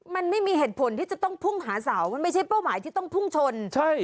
มันไม่มีเหตุผลที่จะต้องพุ่งหาเสามันไม่ใช่เป้าหมายที่ต้องพุ่งชนใช่